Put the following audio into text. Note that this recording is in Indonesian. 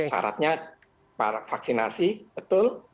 saratnya vaksinasi betul